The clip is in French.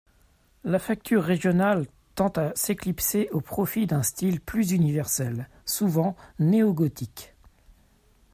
La facture régionale tend à s'éclipser au profit d'un style plus universel, souvent néogothique.